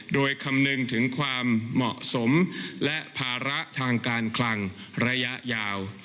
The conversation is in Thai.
โดยคำนึงถึงความเหมาะสมและภาระทางการคลังระยะยาว